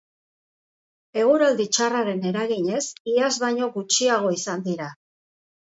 Eguraldi txarraren eraginez, iaz baino gutxiago izan dira.